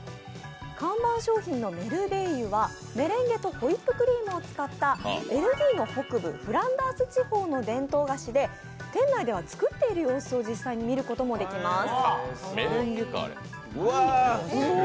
看板商品のメルベイユはメレンゲとホイップクリームを使ったベルギーの北部・フランダース地方の伝統菓子で、店内では作っている様子を実際に見ることもできます。